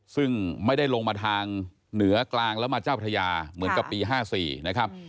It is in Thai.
ซึ่งไม่ได้ลงมาทางเหนือกลางแล้วมาเจ้าพระยาเหมือนกับปี๕๔นะครับ